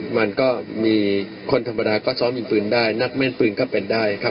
มันก็มีคนธรรมดาก็ซ้อมยิงปืนได้นักแม่นปืนก็เป็นได้ครับ